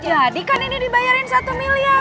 kan ini dibayarin satu miliar